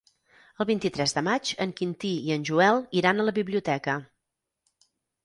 El vint-i-tres de maig en Quintí i en Joel iran a la biblioteca.